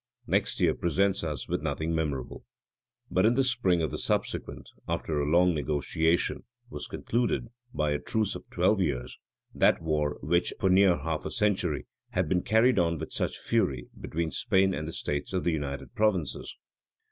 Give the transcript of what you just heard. {1608.} Next year presents us with nothing memorable; but in the spring of the subsequent, {1609.} after a long negotiation, was concluded, by a truce of twelve years, that war which, for near half a century, had been carried on with such fury between Spain and the states of the United Provinces.